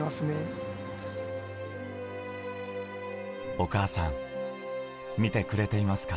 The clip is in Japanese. お母さん、見てくれていますか。